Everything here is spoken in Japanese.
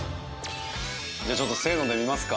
じゃあちょっと「せーの」で見ますか。